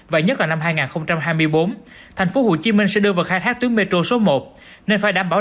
và nhất là năm hai nghìn hai mươi bốn thành phố hồ chí minh sẽ đưa vào khai thác tuyến metro số một